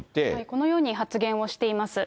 このように発言をしています。